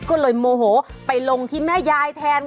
ก็เลยโมโหไปลงที่แม่ยายแทน